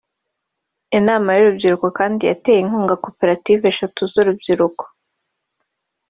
Inama y’urubyiruko kandi yateye inkunga koperative eshatu z’urubyiruko